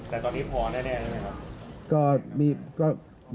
แต่ตอนนี้พอแน่ใช่ไหมครับ